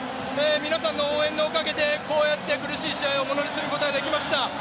皆さんの応援のおかげでこうやって苦しい試合を物にすることができました。